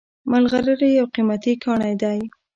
ملغلرې یو قیمتي کاڼی دی